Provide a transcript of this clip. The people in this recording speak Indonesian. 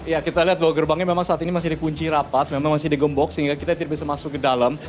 ya kita lihat bahwa gerbangnya memang saat ini masih dikunci rapat memang masih digembok sehingga kita tidak bisa masuk ke dalam